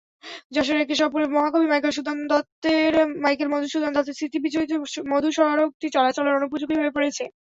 যশোরের কেশবপুরে মহাকবি মাইকেল মধুসূদন দত্তের স্মৃতিবিজড়িত মধু সড়কটি চলাচলের অনুপযোগী হয়ে পড়েছে।